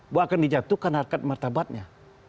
bahkan dijatuhkan harga martabatnya